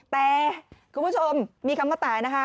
แต่คุณผู้ชมมีคำว่าแต่